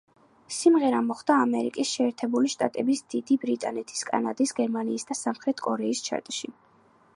სიმღერა მოხდა ამერიკის შეერთებული შტატების, დიდი ბრიტანეთის, კანადის, გერმანიის და სამხრეთ კორეის ჩარტში.